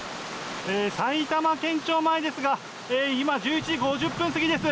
埼玉県庁前ですが今、１１時５０分過ぎです。